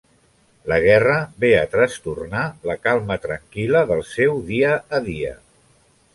La guerra ve a trastornar la calma tranquil·la del seu dia a dia.